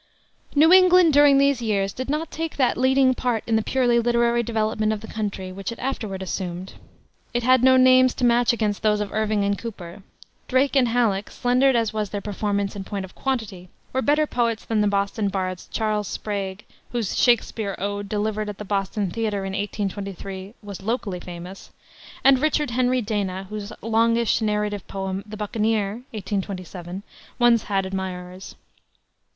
New England, during these years, did not take that leading part in the purely literary development of the country which it afterward assumed. It had no names to match against those of Irving and Cooper. Drake and Halleck slender as was their performance in point of quantity were better poets than the Boston bards, Charles Sprague, whose Shakespere Ode, delivered at the Boston theater in 1823, was locally famous; and Richard Henry Dana, whose longish narrative poem, the Buccaneer, 1827, once had admirers.